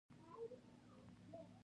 • ځینې نومونه د قبیلو نومونه دي.